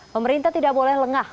pemerintah tidak boleh lengah